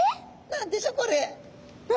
何でしょこれ？